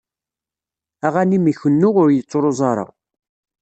Aɣanim ikennu ur yettruẓ ara.